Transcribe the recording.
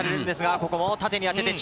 ここも縦に当てていく！